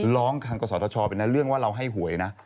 ร้องทางความสอดธชน์ไปนะเรื่องว่าเราให้หวยนะ